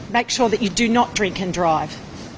pastikan anda tidak minum dan bergerak